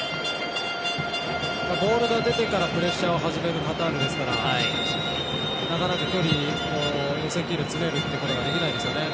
ボールが出てからプレッシャーを始めるカタールですからなかなか距離も寄せきる詰めるっていうことができないですよね。